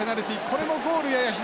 これもゴールやや左。